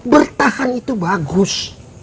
bertahan itu bagus